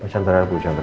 pak chandra bu chandra